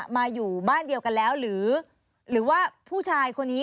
มาอยู่บ้านเดียวกันแล้วหรือว่าผู้ชายคนนี้